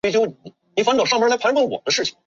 掖邪狗等人被曹魏授予率善中郎将印绶。